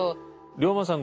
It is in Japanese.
龍馬さん